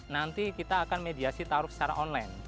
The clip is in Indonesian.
nanti kita akan mediasi taruh secara online